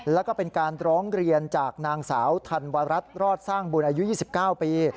แล้วก็เป็นการร้องเรียนจากนางสาวธันวรัฐรอดสร้างบุญอายุ๒๙ปี